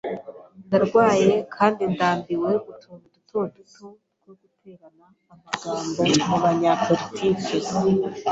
Ndarwaye kandi ndambiwe utuntu duto duto two guterana amagambo mu banyapolitiki.